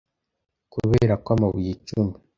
kuberako amabuye icumi